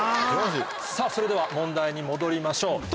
それでは問題に戻りましょう所